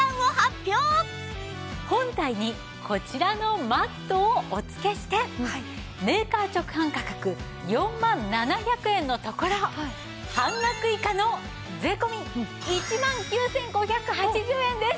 本体にこちらのマットをお付けしてメーカー直販価格４万７００円のところ半額以下の税込１万９５８０円です！